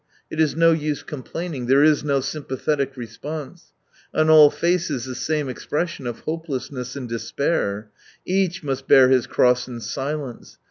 It is no use complaining : there is no sympathetic response. On all faces the same expression of hopelessness and despair. Each must bear his cross in silence.